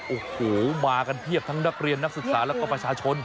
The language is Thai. โอ้โหมากันเพียบทั้งนักเรียนนักศึกษาแล้วก็ประชาชน